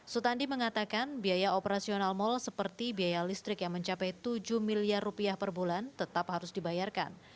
sutandi mengatakan biaya operasional mal seperti biaya listrik yang mencapai tujuh miliar rupiah per bulan tetap harus dibayarkan